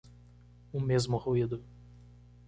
O mesmo ruído